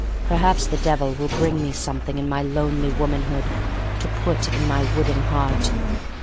Perhaps the Devil will bring me something in my lonely womanhood to put in my wooden heart.